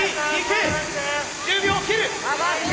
１０秒を切る！